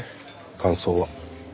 感想は。